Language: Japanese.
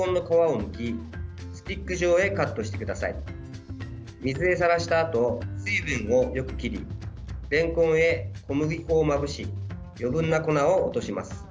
水へさらしたあと水分をよく切りれんこんへ小麦粉をまぶし余分な粉を落とします。